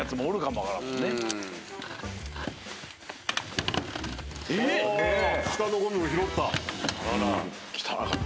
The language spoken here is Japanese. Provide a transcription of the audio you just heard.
あ下のゴミも拾った。